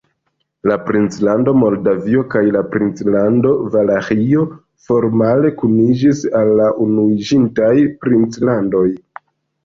La la princlando Moldavio kaj la princlando Valaĥio formale kuniĝis al la Unuiĝintaj Princlandoj.